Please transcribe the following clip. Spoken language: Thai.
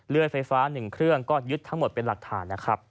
ไฟฟ้า๑เครื่องก็ยึดทั้งหมดเป็นหลักฐานนะครับ